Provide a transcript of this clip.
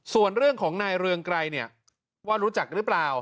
ส่วนเรื่องของนายเรืองไกรเนี่ยว่ารู้จักหรือเปล่า